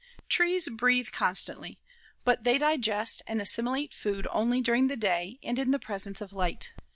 Trees breathe constantly, but they digest and assimilate food only during the day and in the presence of light.